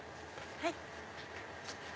はい。